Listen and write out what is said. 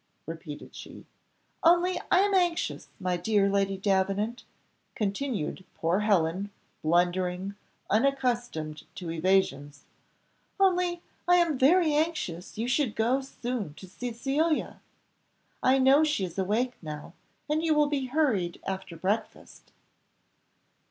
repeated she. "Only I am anxious, my dear Lady Davenant," continued poor Helen blundering, unaccustomed to evasions "only I am very anxious you should go soon to Cecilia; I know she is awake now, and you will be hurried after breakfast."